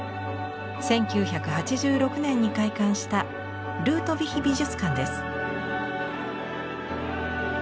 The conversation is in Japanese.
１９８６年に開館したルートヴィヒ美術館です。